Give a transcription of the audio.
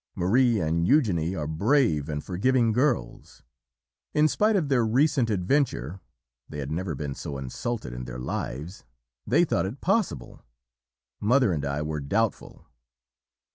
Marie and Eugenie are brave and forgiving girls! In spite of their recent adventure they had never been so insulted in their lives they thought it possible; mother and I were doubtful.